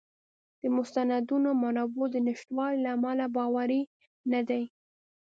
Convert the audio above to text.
د مستندو منابعو د نشتوالي له امله باوری نه دی.